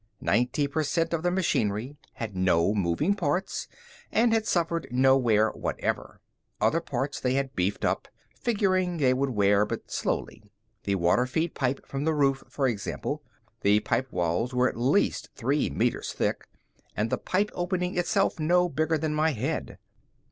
Ninety per cent of the machinery had no moving parts and had suffered no wear whatever. Other parts they had beefed up, figuring they would wear, but slowly. The water feed pipe from the roof, for example. The pipe walls were at least three meters thick and the pipe opening itself no bigger than my head.